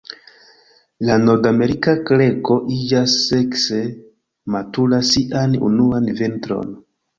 La Nordamerika kreko iĝas sekse matura sian unuan vintron.